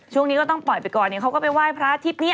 ช่วงนี้ก็ต้องปล่อยไปก่อนเขาก็ไปไหว้พระอาทิตย์นี้